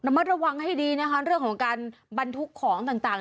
มัดระวังให้ดีนะคะเรื่องของการบรรทุกของต่าง